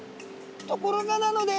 ところがなのです！